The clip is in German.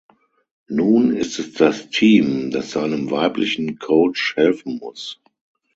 Nun ist es das Team, das seinem weiblichen Coach helfen muss.